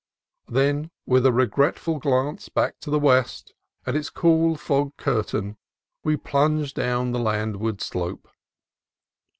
Then, with a regretful glance back to the west and its cool fog curtain, we plunged down the landward slope.